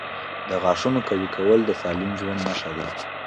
• د غاښونو قوي کول د سالم ژوند نښه ده.